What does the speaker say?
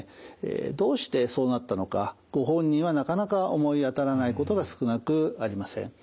どうしてそうなったのかご本人はなかなか思い当たらないことが少なくありません。